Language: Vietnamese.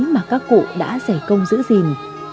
mà các cụ đã giải công giữ gìn